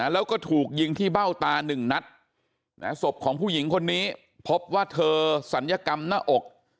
แล้วก็ถูกยิงที่เบ้าตาหนึ่งนัดศพของผู้หญิงคนนี้พบว่าเธอศัลยกรรมหน้าอก